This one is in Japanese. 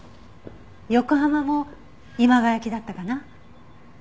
横浜も今川焼きだったかな。